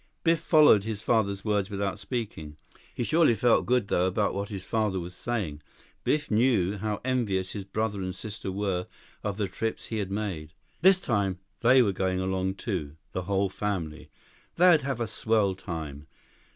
Biff followed his father's words without speaking. He surely felt good, though, about what his father was saying. Biff knew how envious his brother and sister were of the trips he had made. This time, they were going along, too. The whole family! They'd have a swell time.